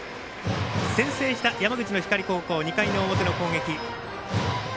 先制した山口の光高校２回の表の攻撃。